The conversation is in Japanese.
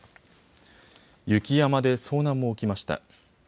雪山で遭難も起きました。